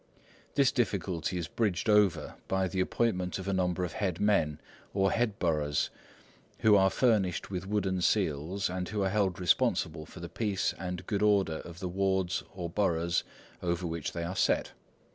This difficulty is bridged over by the appointment of a number of head men, or headboroughs, who are furnished with wooden seals, and who are held responsible for the peace and good order of the wards or boroughs over which they are set.